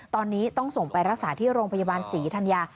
ตอนนี้ต้องส่งไปรักษาที่โรงพยาบาลศรีธัญญา